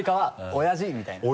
「おやじ」みたいな。